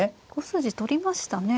５筋取りましたね。